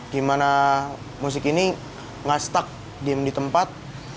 gimana musik ini ngastak diem di tempat